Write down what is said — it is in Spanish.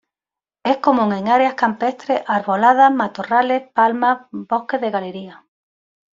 Es común en áreas campestres arboladas, matorrales, palmas, bosques de galería.